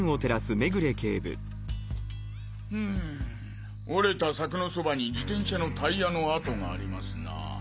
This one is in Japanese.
うむ折れた柵のそばに自転車のタイヤの跡がありますなぁ。